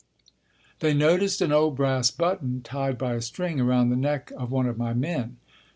They noticed an old brass button tied by a string around the neck of one of my men.